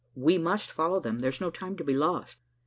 We must follow them: there's no time to be lost."